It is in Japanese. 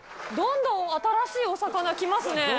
どんどん新しいお魚来ますね。